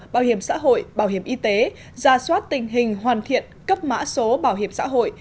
bảo hiểm xã hội bảo hiểm y tế ra soát tình hình hoàn thiện cấp mã số bảo hiểm xã hội